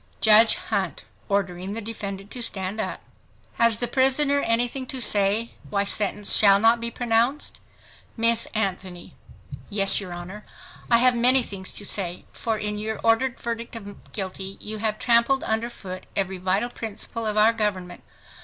JUDGE HUNT (Ordering the defendant to stand up) Has the prisoner anything to say why sentence shall not be pronounced? Miss ANTHONY—Yes, your Honor, I have many things to say; for in your ordered verdict of guilty, you have trampled under foot every vital principle of our government.